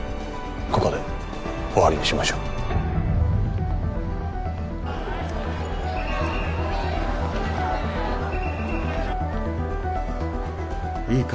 ここで終わりにしましょういいか？